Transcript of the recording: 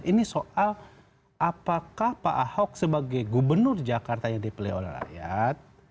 ini soal apakah pak ahok sebagai gubernur jakarta yang dipilih oleh rakyat